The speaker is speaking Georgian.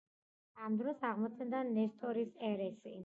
ამ დროს აღმოცენდა ნესტორის ერესი.